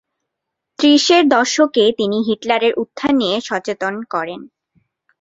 ত্রিশের দশকে তিনি হিটলারের উত্থান নিয়ে সচেতন করেন।